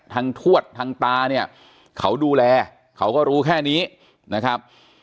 ทวดทางตาเนี่ยเขาดูแลเขาก็รู้แค่นี้นะครับ